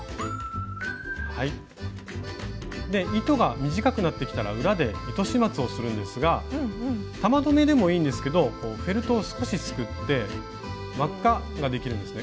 糸が短くなってきたら裏で糸始末をするんですが玉留めでもいいんですけどフェルトを少しすくって輪っかができるんですね